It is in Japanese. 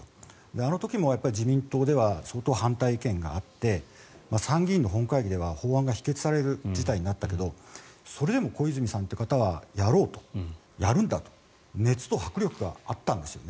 あの時も自民党では相当、反対意見があって参議院の本会議では法案が否決される事態になったけれどもそれでも小泉さんという方はやろうと、やるんだという熱と迫力があったんですよね。